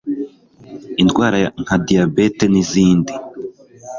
indwara nka diyabete n'izindi.